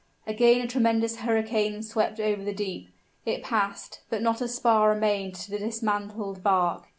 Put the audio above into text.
Again a tremendous hurricane swept over the deep: it passed, but not a spar remained to the dismantled bark.